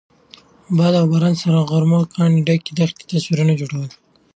باد او باران او سرو غرمو د کاڼو ډکې دښتې تصویرونه جوړول.